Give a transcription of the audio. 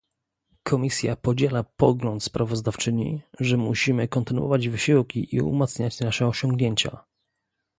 Komisja podziela pogląd sprawozdawczyni, że musimy kontynuować wysiłki i umacniać nasze osiągnięcia